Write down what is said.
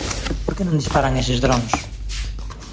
Por que non disparan estes drons?